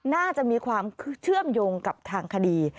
น่าจะมีความเชื่อมโยงกับทางคดี